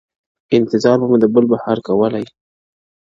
• انتظار به مو د بل بهار کولای -